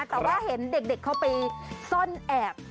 แต่ว่าเห็นเด็กเขาไปซ่อนแอบ